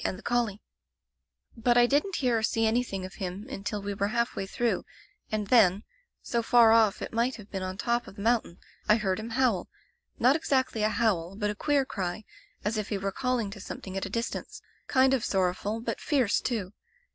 Digitized by LjOOQ IC The Gray Collie "But I didn't hear or see anything of him until we were half way through, and then, so far off it might have been on top of the mountain, I heard him howl — not exactly a howl, but a queer cry, as if he were calling to something at a distance, kind of sorrow ful, but fierce, too.